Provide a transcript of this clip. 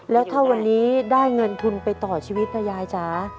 แล้วถ้าวันนี้ได้เงินทุนไปต่อชีวิตนะยายจ๋า